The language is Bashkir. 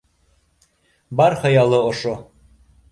Бар хыялы ошо